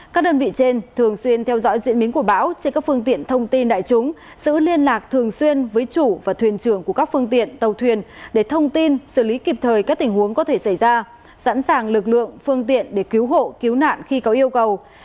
các đơn vị trên thường xuyên theo dõi diễn biến của bão trên các phương tiện thông tin đại chúng giữ liên lạc thường xuyên với chủ và thuyền trưởng của các phương tiện tàu thuyền để thông tin xử lý kịp thời các tình huống có thể xảy ra sẵn sàng lực lượng phương tiện để cứu hộ cứu nạn khi có yêu cầu